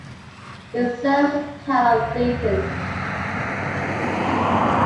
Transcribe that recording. It serves the town of Leeton.